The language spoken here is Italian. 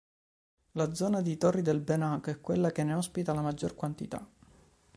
La zona di Torri del Benaco è quella che ne ospita la maggior quantità.